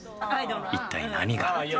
一体何が？